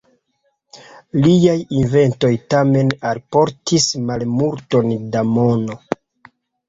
Liaj inventoj tamen alportis malmulton da mono.